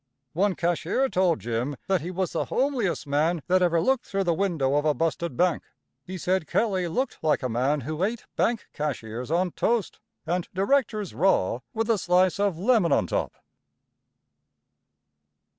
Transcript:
One cashier told Jim that he was the homeliest man that ever looked through the window of a busted bank. He said Kelley looked like a man who ate bank cashiers on toast and directors raw with a slice of lemon on top.